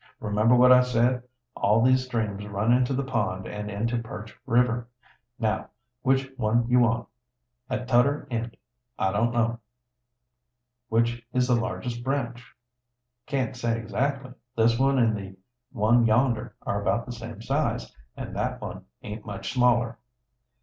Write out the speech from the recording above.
"Remember what I said? All these streams run into the pond and into Perch River. Now, which one you want, at tudder end, I don't know." "Which is the largest branch?" "Can't say, exactly. This one an' the one yonder are about the same size, and that one aint much smaller."